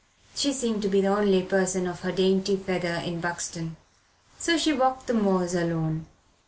She seemed to be the only person of her own dainty feather in Buxton. So she walked the moors alone.